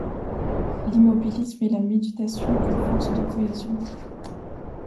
L’immobilisme et la méditation comme forces de cohésion.